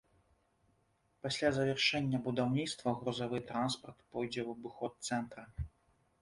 Пасля завяршэння будаўніцтва грузавы транспарт пойдзе ў абыход цэнтра.